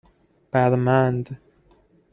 بَرمند